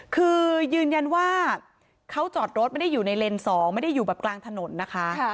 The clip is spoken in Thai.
คือยืนยันว่าเขาจอดรถไม่ได้อยู่ในเลนส์๒ไม่ได้อยู่แบบกลางถนนนะคะ